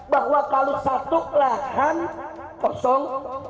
bahwa kalau satu lahan kosong